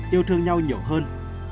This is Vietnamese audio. yêu thương nhau nhiều hơn